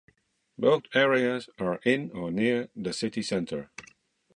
Both areas are in or near the city centre.